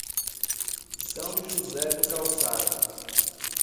São José do Calçado